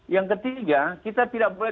yang ketiga kita tidak boleh